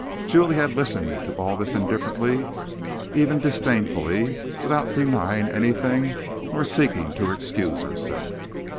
Julie had listened to all this indifferently, even disdainfully, without denying anything, nor seeking to excuse herself.